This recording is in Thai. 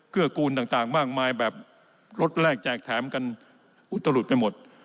กูลต่างมากมายแบบรถแรกแจกแถมกันอุตลุดไปหมด